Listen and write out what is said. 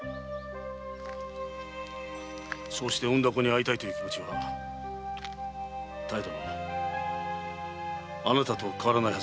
そうして産んだ子に会いたいという気持ちはお妙殿あなたと変わらないはずだ。